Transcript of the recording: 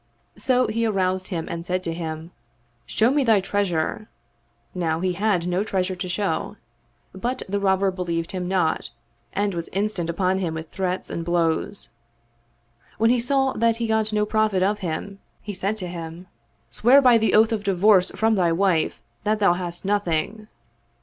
So he aroused him and said to him, " Show me thy treas ure." Now he had no treasure to show; but the Robber believed him not and was instant upon him with threats and blows. When he saw that he got no profit of him, he said to him, " Swear by the oath of divorce from thy wife that thou hast nothing."